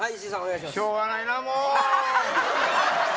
しょうがないなあ、もう。